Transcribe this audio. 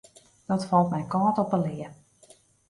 Dat falt my kâld op 'e lea.